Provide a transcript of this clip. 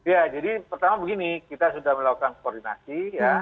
ya jadi pertama begini kita sudah melakukan koordinasi ya